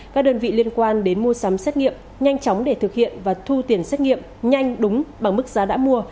các đơn vị liên quan đến mua sắm xét nghiệm nhanh chóng để thực hiện và thu tiền xét nghiệm nhanh đúng bằng mức giá đã mua